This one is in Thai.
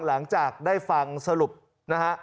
หลังจากได้ฟังสรุปนะฮะ